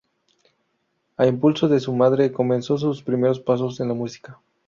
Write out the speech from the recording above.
A impulso de su madre comenzó sus primeros pasos en la música.